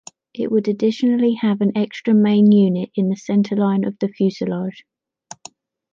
It would additionally have an extra main unit in the centerline of the fuselage.